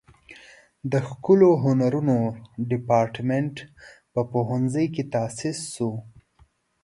د ښکلو هنرونو دیپارتمنټ په پوهنځي کې تاسیس شو.